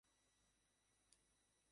এইজন্য তাঁর মঠ প্রথমে চাই।